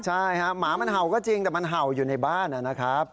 ใช่ฮะหมามันเห่าก็จริงแต่มันเห่าอยู่ในบ้านนะครับ